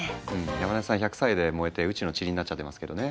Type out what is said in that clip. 山根さん１００歳で燃えて宇宙のちりになっちゃってますけどね。